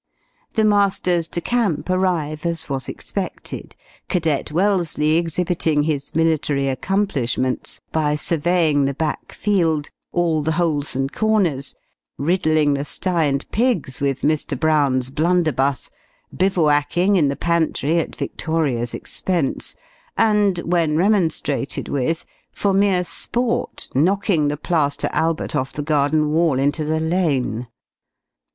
The Masters de Camp arrive as was expected. Cadet Wellesley exhibiting his military accomplishments by surveying the back field; all the holes and corners; riddling the sty and pigs with Mr. Brown's blunderbuss; bivouacking in the pantry at Victoria's expence; and, when remonstrated with, for mere sport knocking the plaster Albert off the garden wall into the lane.